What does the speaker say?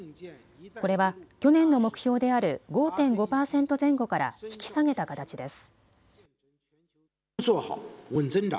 これは去年の目標である５．５％前後から引き下げた形です。